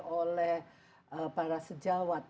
oleh para sejawat